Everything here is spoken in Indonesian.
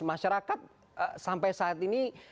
masyarakat sampai saat ini